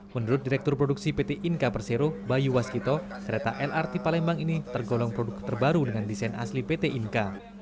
menurut direktur produksi pt inka persero bayu waskito kereta lrt palembang ini tergolong produk terbaru dengan desain asli pt inka